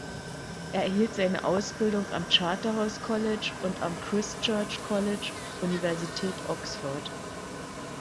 Er erhielt seine Ausbildung am Charterhouse College und am Christ Church College, Universität Oxford.